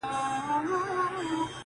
يوازيتوب زه، او ډېوه مړه انتظار،